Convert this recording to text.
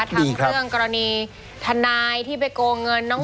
ทั้งเรื่องกรณีทนายที่ไปโกงเงินน้อง